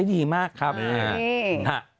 แผ่นดินไหวยังคะแผ่นดินไหวยังคะ